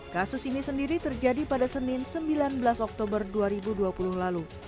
kasus ini sendiri terjadi pada senin sembilan belas oktober dua ribu dua puluh lalu